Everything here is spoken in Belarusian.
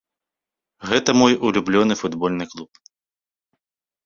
Гэта мой улюбёны футбольны клуб.